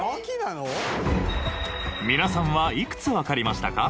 皆さんはいくつわかりましたか？